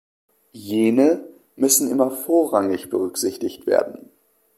Jene müssen immer vorrangig berücksichtigt werden.